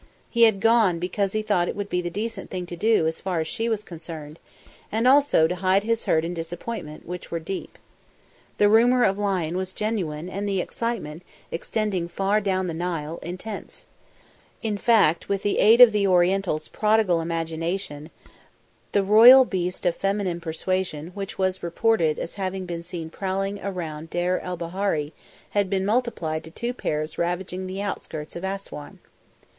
He had gone because he thought it would be the decent thing to do as far as she was concerned, and also to hide his hurt and disappointment, which were deep. The rumour of lion was genuine and the excitement, extending far down the Nile, intense. In fact, with the aid of the Oriental's prodigal imagination the one royal beast of feminine persuasion which was reported as having been seen prowling around Deir el Bahari had been multiplied to two pairs ravaging the outskirts of Assouan.